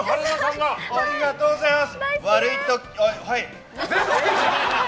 ありがとうございます。